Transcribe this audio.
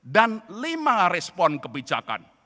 dan lima respon kebijakan